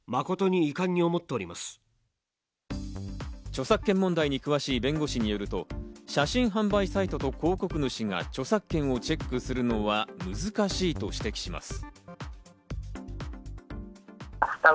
著作権問題に詳しい弁護士によると、写真販売サイトと広告主が著作権をチェックするのは難しいと指摘します。